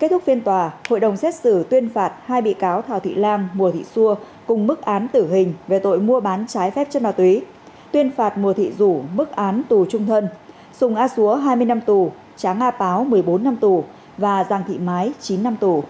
kết thúc phiên tòa hội đồng xét xử tuyên phạt hai bị cáo thảo thị lam mùa thị xua cùng mức án tử hình về tội mua bán trái phép chất ma túy tuyên phạt mùa thị dũ mức án tù trung thân sùng a xúa hai mươi năm tù trá nga páo một mươi bốn năm tù và giàng thị mái chín năm tù